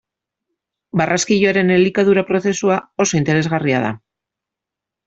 Barraskiloaren elikadura prozesua oso interesgarria da.